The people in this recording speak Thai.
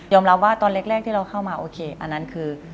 รับว่าตอนแรกที่เราเข้ามาโอเคอันนั้นคือ